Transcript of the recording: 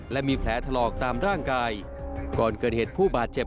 และมีแผลถลอกตามร่างกายก่อนเกิดเหตุผู้บาดเจ็บ